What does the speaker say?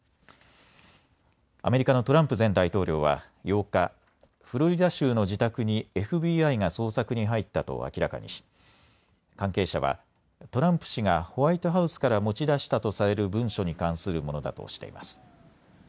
アメリカのトランプ前大統領は８日、フロリダ州の自宅にＦＢＩが捜索に入ったと明らかにし関係者はトランプ氏がホワイトハウスから持ち出したとされる文書に関するものだとしています。